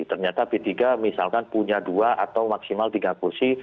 ternyata p tiga misalkan punya dua atau maksimal tiga kursi